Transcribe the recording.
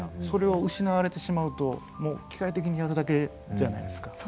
それを失われてしまうともう機械的にやるだけじゃないですか。